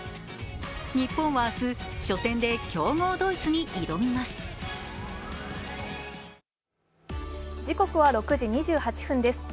日本は明日、初戦で強豪ドイツに挑みます。